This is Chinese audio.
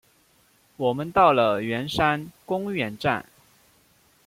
我们到了圆山公园站